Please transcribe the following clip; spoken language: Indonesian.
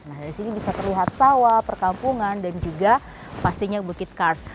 nah dari sini bisa terlihat sawah perkampungan dan juga pastinya bukit kars